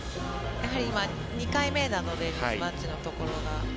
やはり今、２回目なのでミスマッチのところが。